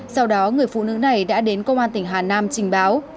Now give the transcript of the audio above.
sau đó người phụ nữ này đã đến công an tỉnh hà nam trình báo